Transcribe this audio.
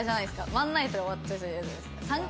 ワンナイトで終わっちゃいそうでイヤじゃないですか。